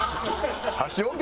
箸置け！